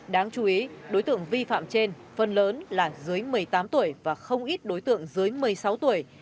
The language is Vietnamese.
đáng chú ý đối tượng vi phạm trên phần lớn là dưới một mươi tám tuổi và không ít đối tượng dưới một mươi sáu tuổi